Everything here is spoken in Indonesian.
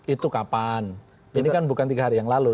itu kapan ini kan bukan tiga hari yang lalu